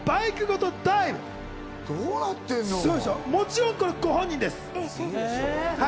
もちろんこれ、ご本人です。